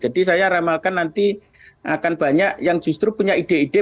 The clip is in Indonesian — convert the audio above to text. jadi saya ramalkan nanti akan banyak yang justru punya ide ide